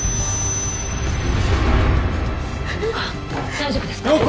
大丈夫ですか？